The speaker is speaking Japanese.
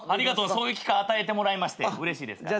そういう機会与えてもらえましてうれしい。